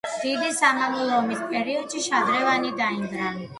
დიდი სამამულო ომის პერიოდში შადრევანი დაინგრა.